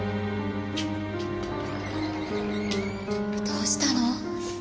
どうしたの？